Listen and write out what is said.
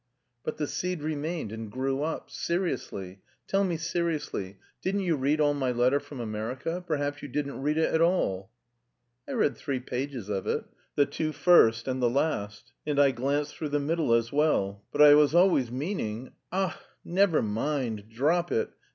But the seed remained and grew up. Seriously, tell me seriously, didn't you read all my letter from America, perhaps you didn't read it at all?" "I read three pages of it. The two first and the last. And I glanced through the middle as well. But I was always meaning..." "Ah, never mind, drop it!